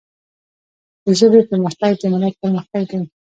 د ژبي پرمختګ د ملت پرمختګ دی.